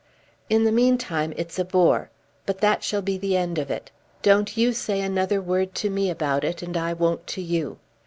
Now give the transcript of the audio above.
"In the meantime it's a bore. But that shall be the end of it. Don't you say another word to me about it, and I won't to you.